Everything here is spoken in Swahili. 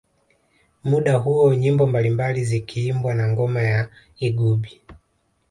Muda huo nyimbo mbalimbali zikiimbwa na ngoma ya igubi